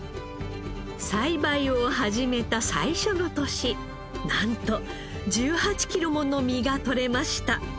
栽培を始めた最初の年なんと１８キロもの実がとれました。